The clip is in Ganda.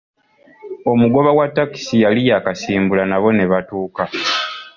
Omugoba wa takisi yali yakasimbula nabo ne batuuka.